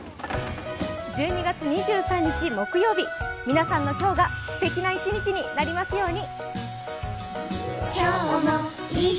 １２月２３日木曜日、皆さんの今日がすてきな１日になりますように。